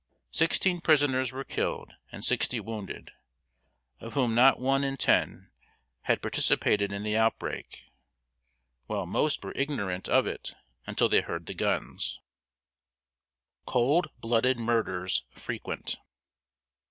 Sixteen prisoners were killed and sixty wounded, of whom not one in ten had participated in the outbreak; while most were ignorant of it until they heard the guns. [Sidenote: COLD BLOODED MURDERS FREQUENT.